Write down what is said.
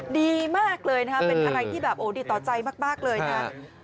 ดีมากเลยนะครับเป็นอะไรที่แบบโอ้ดีต่อใจมากเลยนะครับ